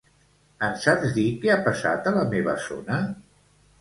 Em saps dir què ha passat a la meva zona?